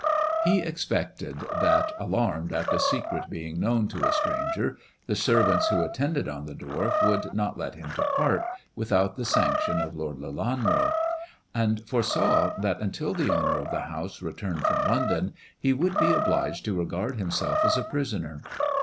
He expected that, alarmed at the secret being known to a stranger, the servants who attended on the dwarf would not let him depart without the sanction of Lord Lelanro ; and foresaw that until the owner of the house returned from London, he would be obliged to regard himself as a prisoner.